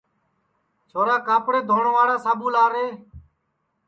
چھورا کاپڑے دھونواڑا ساٻو لارے